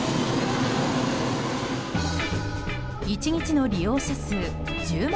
１日の利用者数１０万